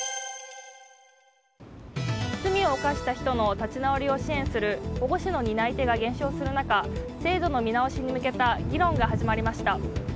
罪を犯した人の立ち直りを支援する保護司の担い手が減少する中制度の見直しに向けた議論が始まりました。